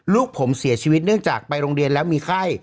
ลูกผมเสียชีวิตเนื่องจากไปโรงเรียนแล้วมีไข้